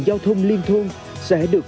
giao thông liên thôn sẽ được